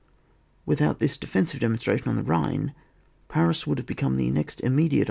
Without this defensive demon stration on the Bhine, Paris would have become the next immediate